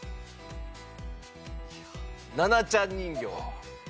ナナちゃん人形。